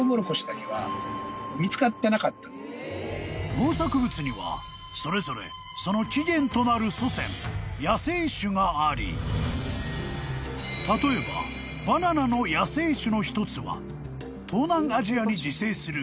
［農作物にはそれぞれその起源となる祖先野生種があり例えばバナナの野生種の一つは東南アジアに自生する］